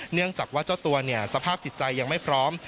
เนื่องจากว่าเจ้าตัวเนี่ยสภาพจิตใจยังไม่พร้อม